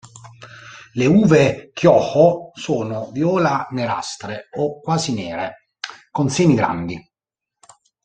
Le uve Kyoho sono viola-nerastre, o quasi nere, con semi grandi.